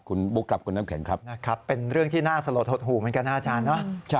คุณบุ๊คครับคุณน้ำแข็งครับนะครับเป็นเรื่องที่น่าสลดหดหู่เหมือนกันนะอาจารย์เนอะ